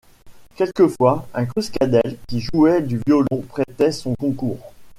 Quelquefois, un Cruscadèl qui jouait du violon prêtait son concours...